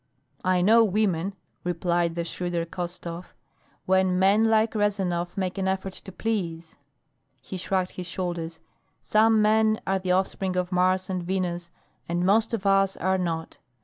"I know women," replied the shrewder Khostov. "When men like Rezanov make an effort to please " He shrugged his shoulders. "Some men are the offspring of Mars and Venus and most of us are not.